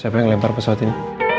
siapa yang lempar pesawat ini